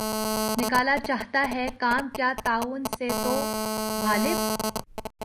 نکالا چاہتا ہے کام کیا طعنوں سے تو؟ غالبؔ!